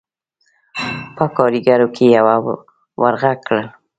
په کارېګرو کې يوه ور غږ کړل: